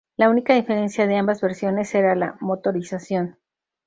La única diferencia de ambas versiones era la motorización.